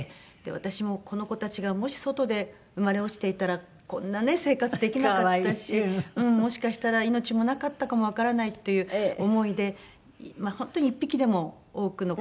私もこの子たちがもし外で生まれ落ちていたらこんなね生活できなかったしもしかしたら命もなかったかもわからないという思いでまあ本当に１匹でも多くの。